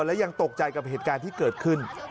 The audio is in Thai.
และยังตกใจกับเหตุการณ์ที่เกิดขึ้น